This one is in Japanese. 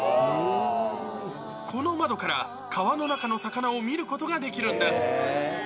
この窓から川の中の魚を見ることができるんです。